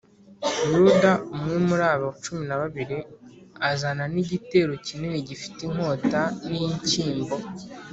Yuda umwe muri abo cumi na babiri azana n’igitero kinini gifite inkota n’inshyimbo